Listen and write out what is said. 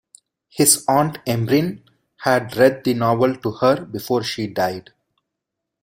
His Aunt Emrine had read the novel to her before she died.